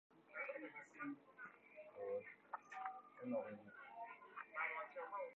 The clinical performance of drugs depends on their form of presentation to the patient.